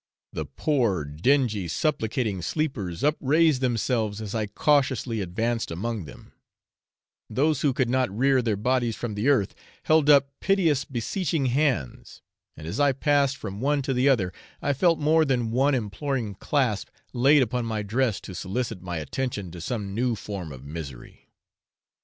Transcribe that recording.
The poor dingy supplicating sleepers upraised themselves as I cautiously advanced among them; those who could not rear their bodies from the earth held up piteous beseeching hands, and as I passed from one to the other, I felt more than one imploring clasp laid upon my dress to solicit my attention to some new form of misery.